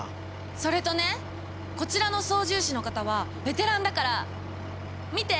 それとねこちらの操縦士の方はベテランだから見て！